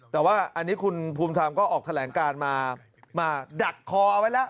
แต่ว่าอันนี้คุณภูมิธรรมก็ออกแถลงการมาดักคอเอาไว้แล้ว